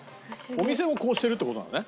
お店もこうしてるって事なんだね。